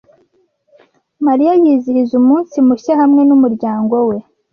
Mariya yizihiza umunsi mushya hamwe n'umuryango we.